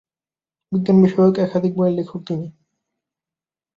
বিজ্ঞান বিষয়ক একাধিক বইয়ের লেখক তিনি।